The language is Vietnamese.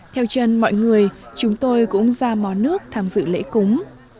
theo chân mọi người chúng tôi cũng ra mó nước tham dự lễ cúng